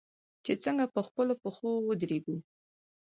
چې څنګه په خپلو پښو ودریږو.